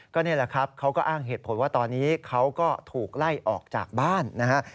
ก็นี่แหละครับเขาก็อ้างเหตุผลว่าตอนนี้เขาก็ถูกไล่ออกจากบ้านนะฮะ